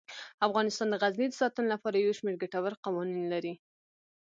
افغانستان د غزني د ساتنې لپاره یو شمیر ګټور قوانین لري.